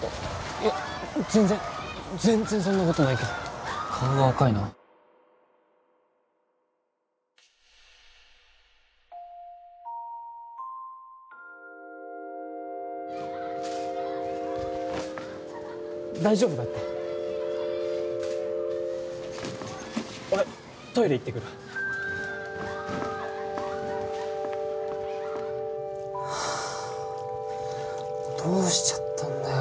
いや全然全然そんなことないけど顔が赤いな大丈夫だって俺トイレ行ってくるはあどうしちゃったんだよ